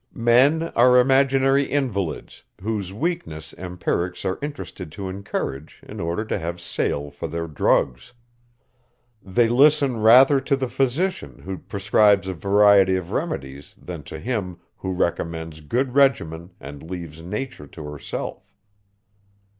Men are imaginary invalids, whose weakness empirics are interested to encourage, in order to have sale for their drugs. They listen rather to the physician, who prescribes a variety of remedies, than to him, who recommends good regimen, and leaves nature to herself.